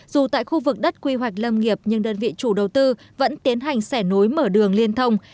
dù tại khu vực đất quy hoạch lâm nghiệp nhưng đơn vị chủ đầu tư vẫn tiến hành xẻ nối mở đường liên thông